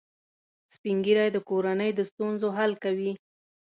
سپین ږیری د کورنۍ د ستونزو حل کوي